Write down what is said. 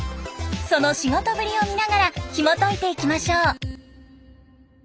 その仕事ぶりを見ながらひもといていきましょう。